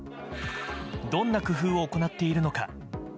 どんな工夫を行っているのか。